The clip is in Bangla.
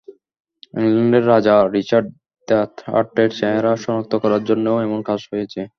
ইংল্যান্ডের রাজা রিচার্ড দ্য থার্ডের চেহারা শনাক্ত করার জন্যও এমন কাজ হয়েছে।